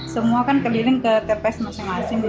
semua kan keliling ke tps masing masing